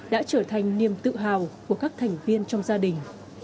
đã trở thành niềm tự hào của các thành viên trong gia đình